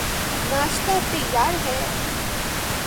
ناشتہ تیار ہے